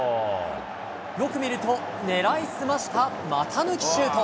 よく見ると、狙い澄ました股抜きシュート。